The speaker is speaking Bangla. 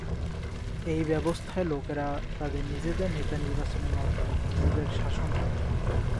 এই ব্যবস্থায় লোকেরা তাদের নিজেদের নেতা নির্বাচনের মাধ্যমে নিজেদের শাসন করে।